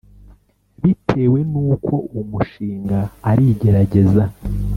Bitewe n’uko uwo mushinga ari igerageza